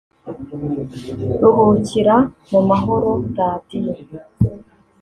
Ruhukira mu mahoro Radio”